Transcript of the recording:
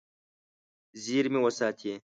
زیرمې وساتي.